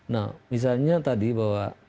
nah misalnya tadi bahwa